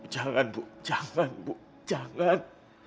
jangan ibu jangan ibu jangan